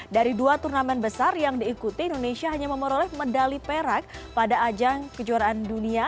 dari dua turnamen besar yang diikuti indonesia hanya memperoleh medali perak pada ajang kejuaraan dunia